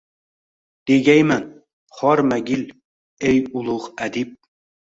Degayman: “Hormagil, ey ulug’ adib!!!”